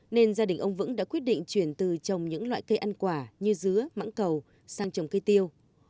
nên gia đình ông vững đã quyết định chuyển từ trồng những loại cây ăn quả như dứa mắng cầu sang trồng cây tiêu